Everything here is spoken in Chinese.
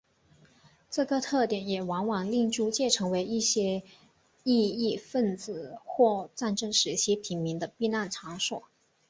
这个特点也往往令租界成为一些异议份子或战争时期平民的避难场所。